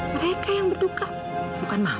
mereka yang berduka bukan maha